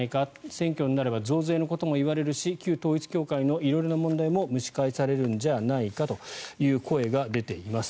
選挙になれば増税のことも言われるし旧統一教会の色々な問題も蒸し返されるんじゃないかという声が出ています。